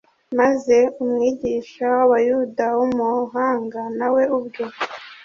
maze umwigisha w'Abayuda w'umuhanga na we ubwe,